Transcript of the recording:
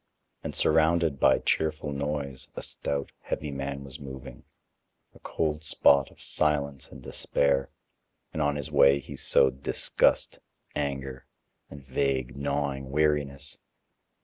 And surrounded by cheerful noise, a stout, heavy man was moving, a cold spot of silence and despair, and on his way he sowed disgust, anger, and vague, gnawing weariness.